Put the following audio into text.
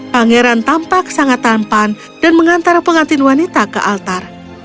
pangeran tampak sangat tampan dan mengantar pengantin wanita ke altar